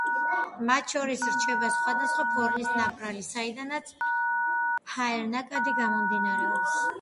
მათ შორის რჩება სხვადასახვა ფორმის ნაპრალი, საიდანაც ჰაერნაკადი გამომდინარეობს.